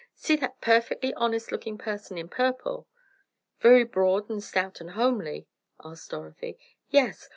"See that perfectly honest looking person in purple?" "Very broad and stout and homely?" asked Dorothy. "Yes.